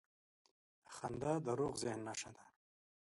• خندا د روغ ذهن نښه ده.